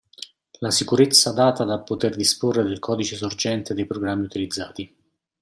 La sicurezza data dal poter disporre del codice sorgente dei programmi utilizzati.